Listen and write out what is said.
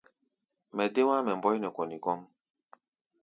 Mɛ dé wá̧á̧ mɛ́ mbɔi nɛ kɔni kɔ́ʼm.